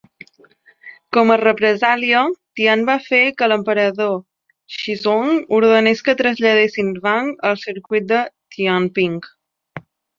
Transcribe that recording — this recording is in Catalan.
Com a represàlia, Tian va fer que l'emperador Xizong ordenés que traslladessin Wang al circuit de Tianping.